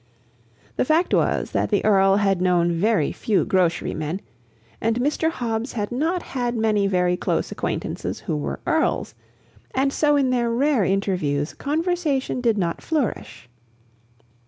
The fact was that the Earl had known very few grocery men, and Mr. Hobbs had not had many very close acquaintances who were earls; and so in their rare interviews conversation did not flourish.